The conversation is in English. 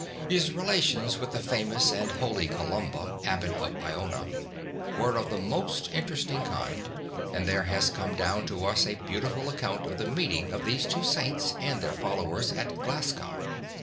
His relations with the famous and holy Columba, Abbot of Iona, were of the most interesting kind, and there has come down to us a beautiful account of the meeting of these two Saints and their followers at Glasgow.